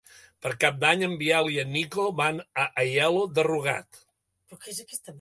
Per Cap d'Any en Biel i en Nico van a Aielo de Rugat.